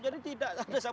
jadi tidak ada sama sekali